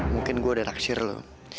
mungkin gue udah naksir lu